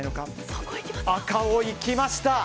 赤、いきました。